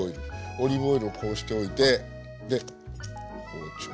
オリーブオイルをこうしておいてで包丁をこうしながら。